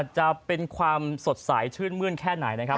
จะเป็นความสดใสชื่นมื้นแค่ไหนนะครับ